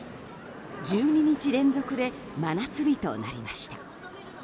１２日連続で真夏日となりました。